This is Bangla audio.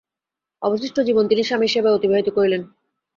অবশিষ্ট জীবন তিনি স্বামীর সেবায় অতিবাহিত করিলেন।